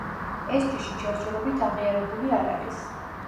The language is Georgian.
ეს ჯიში ჯერჯერობით აღიარებული არ არის.